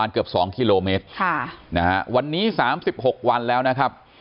เกือบ๒กิโลเมตรวันนี้๓๖วันแล้วนะครับ